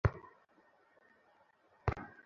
সত্যি বলতে এর আগে আপনাকে কখনো দেখিনি।